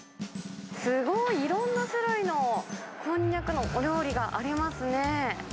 すごい、いろんな種類のこんにゃくのお料理がありますね。